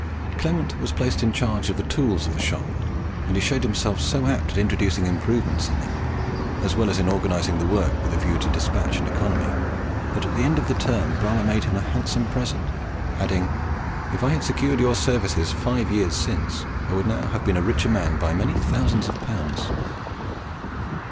Clement was placed in charge of the tools of the shop, and he showed himself so apt at introducing improvements in them, as well as in organizing the work with a view to despatch and economy, that at the end of the term Bramah made him a handsome present, adding, "if I had secured your services five years since, I would now have been a richer man by many thousands of pounds."